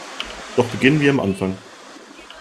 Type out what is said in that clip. Doch beginnen wir am Anfang.